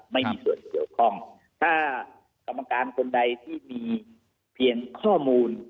ไม่มีส่วนเกี่ยวข้องถ้ากรรมการคนใดที่มีเพียงข้อมูล